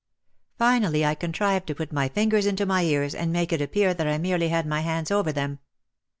Finally I contrived to put my fingers into my ears and make it appear that I merely had my hands over them.